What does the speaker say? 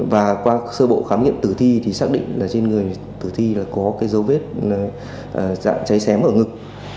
và qua sơ bộ khám nghiệm tử thi thì xác định là trên người tử thi là có cái dấu vết dạng cháy xém ở ngực